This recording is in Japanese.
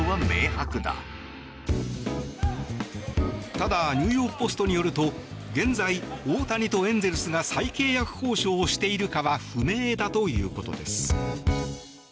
ただニューヨーク・ポストによると現在、大谷とエンゼルスが再契約交渉をしているかは不明だということです。